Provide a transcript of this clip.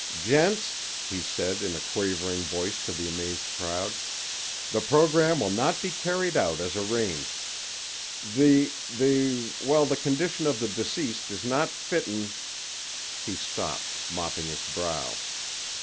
"Gents," he said in a quavering voice to the amazed crowd, "the program will not be carried out as arranged. The—the—well, the condition of the deceased is not fitten—" He stopped, mopping his brow.